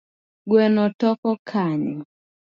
Gweno toko kanye?